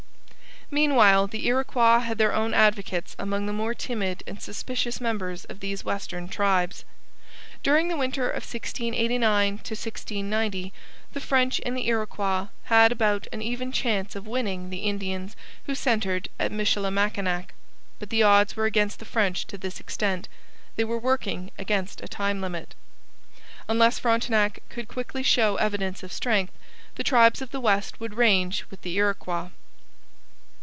Meanwhile, the Iroquois had their own advocates among the more timid and suspicious members of these western tribes. During the winter of 1689 90 the French and the Iroquois had about an even chance of winning the Indians who centred at Michilimackinac. But the odds were against the French to this extent they were working against a time limit. Unless Frontenac could quickly show evidence of strength, the tribes of the West would range with the Iroquois.